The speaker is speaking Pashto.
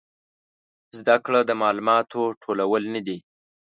زده کړه د معلوماتو ټولول نه دي